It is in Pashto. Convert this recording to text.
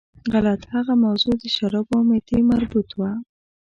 غلط، هغه موضوع د شرابو او معدې مربوط وه.